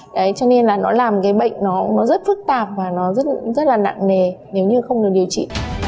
đấy cho nên là nó làm cái bệnh nó rất phức tạp và nó rất là nặng nề nếu như không được điều trị